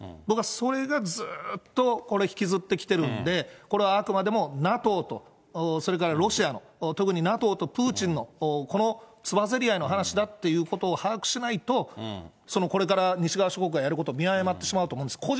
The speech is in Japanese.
僕はそれがずっとこれ、引きずってきてるんで、これはあくまでもＮＡＴＯと、それからロシアの、特にＮＡＴＯとプーチンの、このつばぜり合いの話だっていうことを把握しないと、その、これから西側諸国がやることは見誤ってしまうと思うんです。